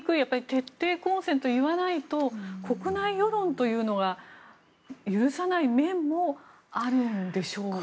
徹底抗戦といわないと国内世論というのは許さない面もあるんでしょうか。